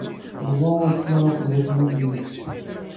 Bḍu učči akked watmaten-ik.